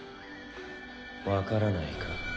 わからないか？